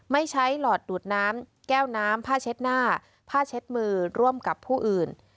ไม่ใช้หลอดดูดน้ำแก้วน้ำผ้าเช็ดหน้าผ้าเช็ดมือร่วมกับผู้อื่น